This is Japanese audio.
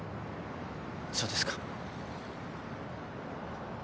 そうですか。